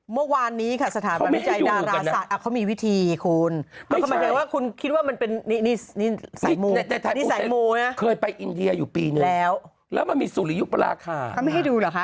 เมื่อวานนี้ค่ะสถานบันไดใจดาราศาสตร์